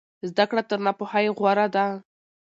زده کړه تر ناپوهۍ غوره ده.